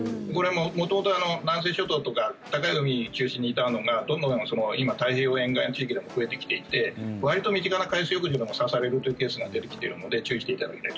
元々、南西諸島とか暖かい海を中心にいたのがどんどん今、太平洋沿岸地域でも増えてきていてわりと身近な海水浴場でも刺されるというケースが出てきているので注意していただきたいと。